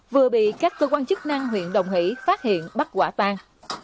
vừa bị các cơ quan chức năng huyện đồng hỷ phát hiện bắt quả tang